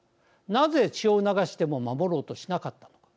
なぜ、血を流しても守ろうとしなかったのか。